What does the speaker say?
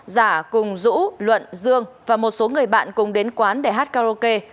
giả cùng dũ luận dương và một số người bạn cùng đến quán để hát karaoke